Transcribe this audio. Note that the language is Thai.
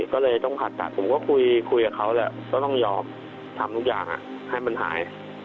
ก็เลยต้องผ่าตัดผมก็คุยกับเขาแหละก็ต้องยอมทำทุกอย่างให้มันหาย